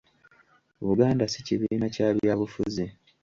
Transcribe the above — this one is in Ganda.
Buganda si kibiina kya byabufuzi